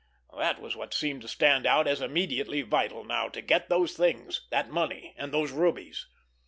That was what seemed to stand out as immediately vital now—to get those things—that money and those rubies.